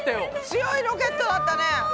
強いロケットだったね。